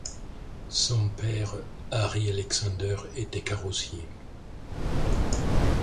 Son père, Harry Alexander, était carrossier.